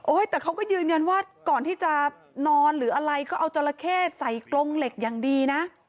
แต่เขาก็ยืนยันว่าก่อนที่จะนอนหรืออะไรก็เอาจราเข้ใส่กรงเหล็กอย่างดีนะ